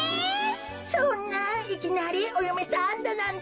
そんないきなりおよめさんだなんて。